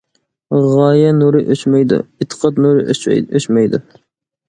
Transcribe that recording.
غايە نۇرى ئۆچمەيدۇ، ئېتىقاد نۇرى ئۆچمەيدۇ.